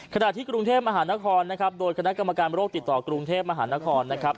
ขณะที่กรุงเทพมหานครนะครับโดยคณะกรรมการโรคติดต่อกรุงเทพมหานครนะครับ